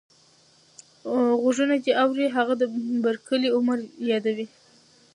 غوږونه دې اوري هغه د بر کلي عمر يادوې.